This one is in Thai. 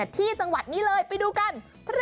ที่จังหวัดนี้เลยไปดูกัน